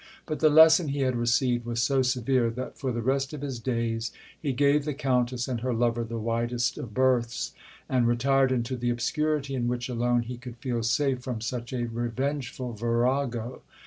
But the lesson he had received was so severe that for the rest of his days he gave the Countess and her lover the widest of berths, and retired into the obscurity in which alone he could feel safe from such a revengeful virago.